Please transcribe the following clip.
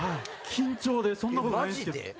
緊張でそんなことないんすけど。